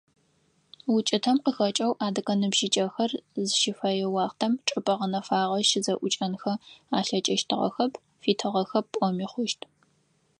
УкӀытэм къыхэкӀэу адыгэ ныбжьыкӀэхэр зыщыфэе уахътэм чӀыпӀэ гъэнэфагъэ щызэӀукӀэнхэ алъэкӀыщтыгъэхэп, фитыгъэхэп пӀоми хъущт.